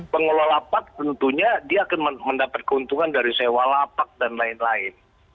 pengelola lapak tentunya dia akan mendapat keuntungan dari sewa lapak dan lain lain